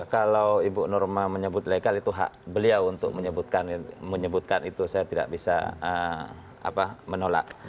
kalau ibu norma menyebut legal itu hak beliau untuk menyebutkan itu saya tidak bisa menolak